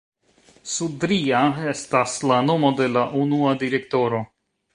Sudria estas la nomo de la unua direktoro.